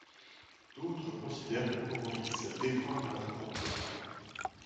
D'autres considèrent que Horowitz déforme leurs propos.